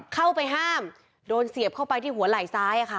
เข้าไปห้ามโดนเสียบเข้าไปที่หัวไหล่ซ้าย